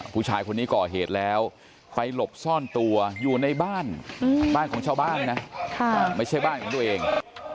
ผู้ชายคนนี้ก่อเหตุแล้วไปหลบซ่อนตัวอยู่ในบ้านบ้านของชาวบ้านนะไม่ใช่บ้านของตัวเอง